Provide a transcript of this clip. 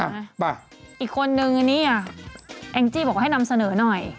ไปอีกคนนึงอันนี้อ่ะแองจี้บอกว่าให้นำเสนอหน่อย